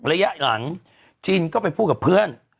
ระยะหลังจินก็ไปพูดกับเพื่อน